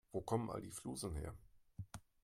Wo kommen all die Flusen her?